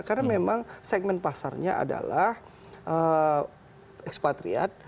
karena memang segmen pasarnya adalah ekspatriat